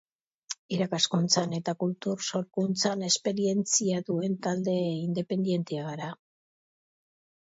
Irakaskuntzan eta kultur sorkuntzan esperientzia duen talde independentea gara.